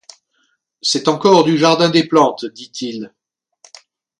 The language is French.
C'est encore du Jardin des plantes, dit-il.